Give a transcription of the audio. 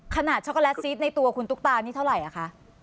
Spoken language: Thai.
ขนาดช็อกโกแลตซีสในตัวคุณตุ๊กตานี่เท่าไหร่